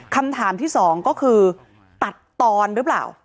คำถามที่สองก็คือตัดตอนหรือเปล่า